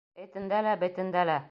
Этендә лә, бетендә лә...